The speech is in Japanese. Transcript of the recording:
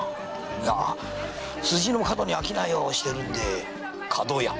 辻の角に商いをしてるんで「角屋」。